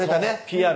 ＰＲ